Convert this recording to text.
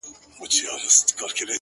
تېره جنازه سوله اوس ورا ته مخامخ يمه!!